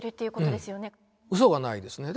うそがないですね。